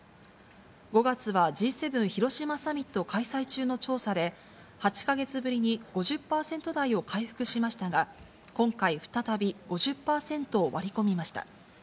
５月はＧ７広島サミット開催中の調査で、８か月ぶりに５０％台を回復しましたが、今回再び５０％を割り込みました。